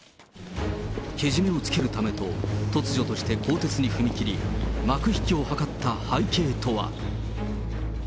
けじめをつけるためと、突如として更迭に踏み切り、幕引きを図った背景とは。